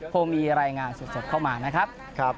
คงมีรายงานสดเข้ามานะครับ